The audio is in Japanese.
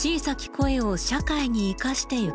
声を社会に生かしていく。